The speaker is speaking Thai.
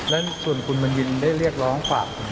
แต่ในส่วนเรื่องของพอดีแกได้พูดอะไรฝากมั้ยครับ